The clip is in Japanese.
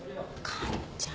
完ちゃん。